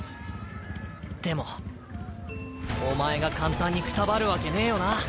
でもお前が簡単にくたばるわけねぇよな。